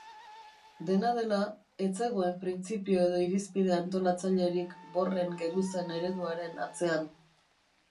Dena dela, ez zegoen printzipio edo irizpide antolatzailerik Bohrren geruzen ereduaren atzean.